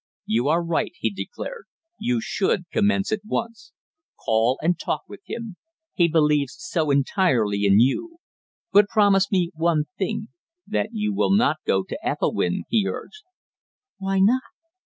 "You are right," he declared. "You should commence at once. Call and talk with him. He believes so entirely in you. But promise me one thing; that you will not go to Ethelwynn," he urged. "Why not?"